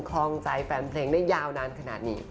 คลองใจแฟนเพลงได้ยาวนานขนาดนี้